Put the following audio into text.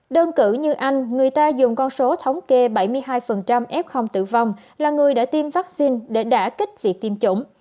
đơn cử như anh người ta dùng con số thống kê bảy mươi hai f tử vong là người đã tiêm vaccine để đã kích việc tiêm chủng